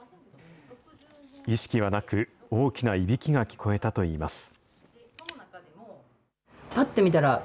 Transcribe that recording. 意識はなく、大きないびきが聞こえたといいます。